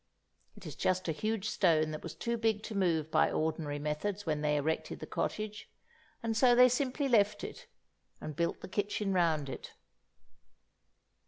It is just a huge stone that was too big to move by ordinary methods when they erected the cottage, and so they simply left it, and built the kitchen round it.